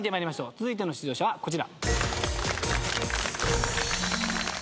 続いての出場者はこちら。